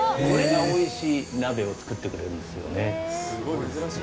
これが美味しい鍋を作ってくれるんですよね。